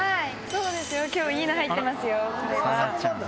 そうですよ今日いいの入ってますよ。